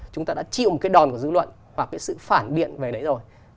chúng ta đã chịu một cái đòn của dư luận và cái sự phản biện về đấy rồi